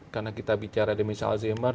karena kita bicara demensi alzheimer